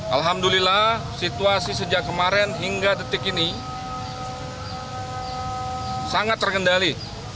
alhamdulillah situasi sejak kemarin hingga detik ini sangat terkendali